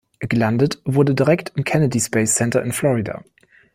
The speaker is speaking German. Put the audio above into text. Gelandet wurde wieder direkt im Kennedy Space Center in Florida.